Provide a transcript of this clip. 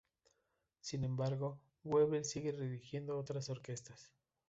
Sin embargo, Goebel sigue dirigiendo otras orquestas.